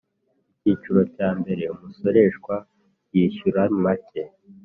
Icyiciro cya mbere Umusoreshwa yishyura macye